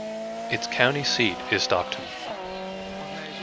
Its county seat is Stockton.